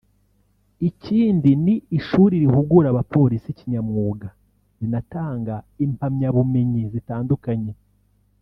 Ikindi ni ishuri rihugura abapolisi kinyamwuga rinatanga impamyabumenyi zitandukanye